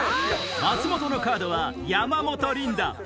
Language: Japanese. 松本のカードは山本リンダ